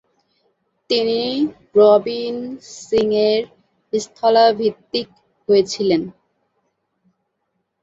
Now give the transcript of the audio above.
তিনি রবিন সিংয়ের স্থলাভিষিক্ত হয়েছিলেন।